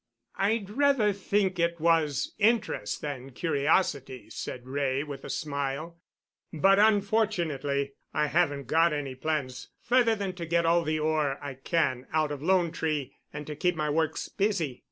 "I'd rather think it was interest than curiosity," said Wray with a smile. "But, unfortunately, I haven't got any plans—further than to get all the ore I can out of 'Lone Tree' and to keep my works busy.